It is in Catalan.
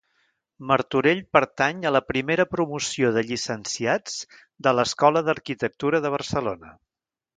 Martorell pertany a la primera promoció de llicenciats de l'Escola d'Arquitectura de Barcelona.